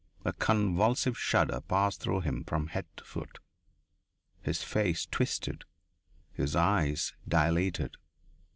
A convulsive shudder passed through him from head to foot; his face twisted; his eyes dilated.